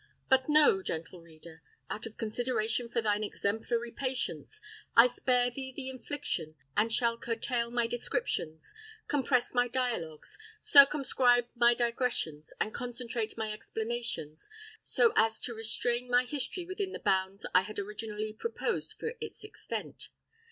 But no, gentle reader! out of consideration for thine exemplary patience, I spare thee the infliction, and shall curtail my descriptions, compress my dialogues, circumscribe my digressions, and concentrate my explanations, so as to restrain my history within the bounds I had originally proposed for its extent.